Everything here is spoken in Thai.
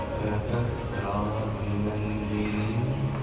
สวัสดีครับสวัสดีครับ